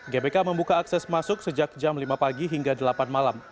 gbk membuka akses masuk sejak jam lima pagi hingga delapan malam